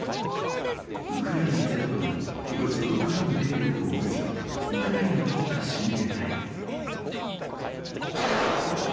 ウクライナ全土におよそ６万の兵力を持つ、ウクライナ国家親衛隊。